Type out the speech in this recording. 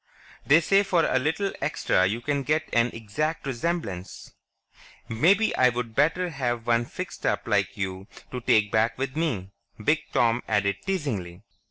"They say for a little extra you can get an exact resemblance. Maybe I'd better have one fixed up like you to take back with me," Big Tom added teasingly.